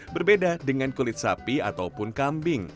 berbeda dengan kulit sapi ataupun kambing